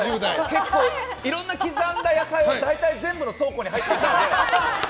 結構いろんな刻んだ野菜は全部の倉庫に入る。